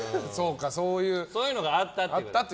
そういうのがあったという。